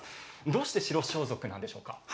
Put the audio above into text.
どうして白装束なんでしょうか。